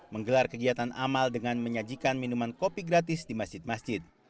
menggelar kegiatan amal dengan menyajikan minuman kopi gratis di masjid masjid